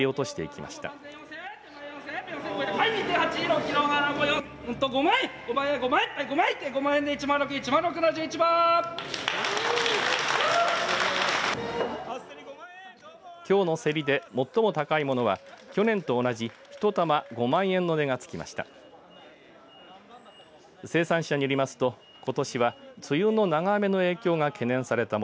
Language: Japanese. きょうの競りで最も高いものは去年と同じ１玉５万円の値がつきました。